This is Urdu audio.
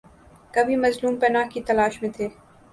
کبھی مظلوم پناہ کی تلاش میں تھے۔